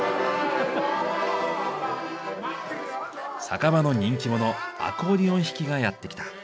酒場の人気者アコーディオン弾きがやって来た。